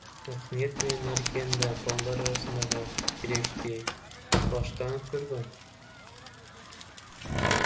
Акниет менен Арген да балдар арасындагы тирешти баштан өткөргөн.